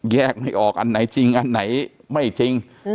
แยกไม่ออกอันไหนจริงอันไหนไม่จริง